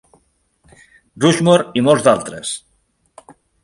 Rushmore, i molts d'altres.